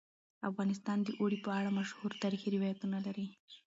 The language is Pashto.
افغانستان د اوړي په اړه مشهور تاریخی روایتونه لري.